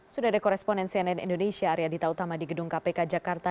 sudah ada koresponen cnn indonesia arya dita utama di gedung kpk jakarta